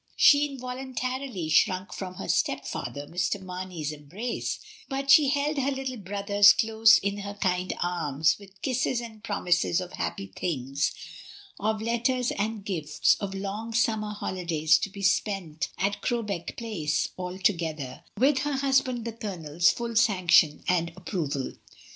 She involuntarily shrunk from her stepfather Mr. Marney's embrace, but she held her little brothers close in her kind arms with kisses and promises of happy things, of letters and gifts, of long summer holidays to be spent at Crowbeck Place, all together, with her husband the ColoneFs full sanction and approval.